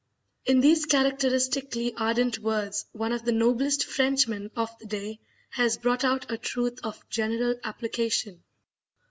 In these characteristically ardent words one of the noblest Frenchmen of the day has brought out a truth of general application.